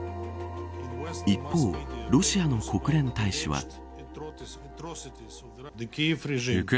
一方、ロシアの国連大使は。